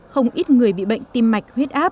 không ít người bị bệnh tim mạch huyết áp